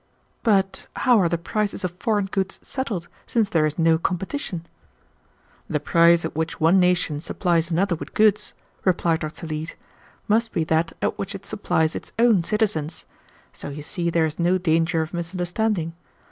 "But how are the prices of foreign goods settled, since there is no competition?" "The price at which one nation supplies another with goods," replied Dr. Leete, "must be that at which it supplies its own citizens. So you see there is no danger of misunderstanding.